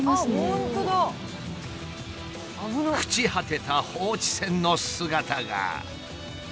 朽ち果てた放置船の姿が。